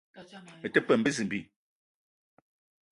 Me te peum bezimbi